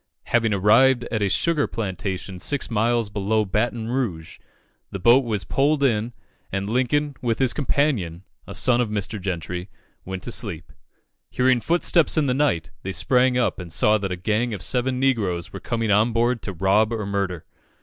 Having arrived at a sugar plantation six miles below Baton Rouge, the boat was pulled in, and Lincoln, with his companion, a son of Mr. Gentry, went to sleep. Hearing footsteps in the night, they sprang up, and saw that a gang of seven negroes were coming on board to rob or murder.